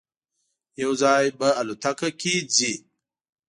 یو ځای به الوتکه کې ځی.